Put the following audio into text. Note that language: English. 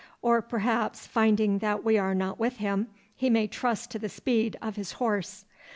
Or, perhaps, finding that we are not with him, he may trust to the speed of his horse.